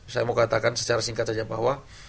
saya mau katakan secara singkat saja bahwa